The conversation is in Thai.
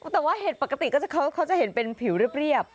แต่ว่าเห็ดปกติเขาจะเห็นเป็นผิวเรียบ